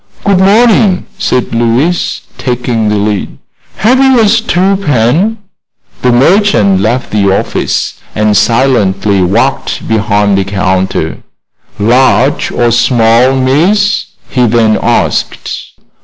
"Good morning," said Louise, taking the lead. "Have you a stew pan?" The merchant left the office and silently walked behind the counter. "Large or small, miss?" he then asked.